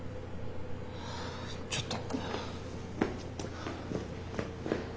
ちょっと。